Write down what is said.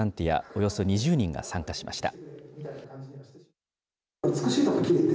およそ２０人が参加しました。